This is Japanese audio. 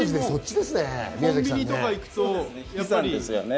コンビニとか行くと。